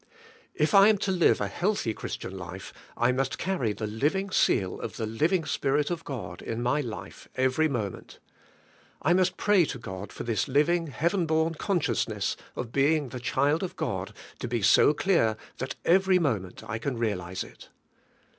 If I am to live a healthy Christian life I must carry the living seal of the living Spirit of God in my life every moment. I must pray to God for this living heaven born consciousness of being the child of God to be so clear that every moment I can re alize it.